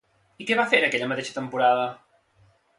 I què va fer en aquella mateixa temporada?